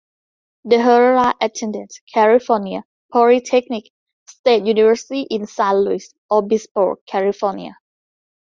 Deherrera attended California Polytechnic State University in San Luis Obispo, California.